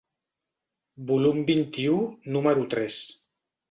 Volum vint-i-u, número tres.